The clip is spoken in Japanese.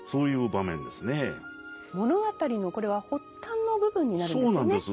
物語のこれは発端の部分になるんですよね。